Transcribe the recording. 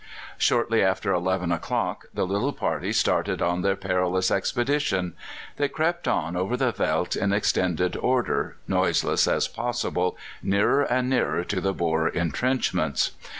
Shortly after eleven o'clock the little party started on their perilous expedition; they crept on over the veldt in extended order, noiseless as possible, nearer and nearer to the Boer entrenchments.